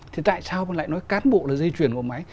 thì tại sao bác lại nói cán bộ là dây chuyền của bộ máy